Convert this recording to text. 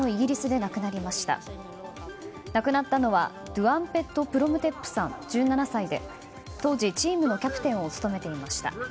亡くなったのはドゥアンペット・プロムテップさん、１７歳で当時チームのキャプテンを務めていました。